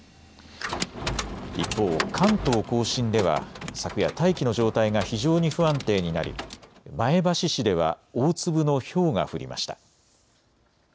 一方、関東甲信では昨夜、大気の状態が非常に不安定になり前橋市では大粒のひょうが降りました。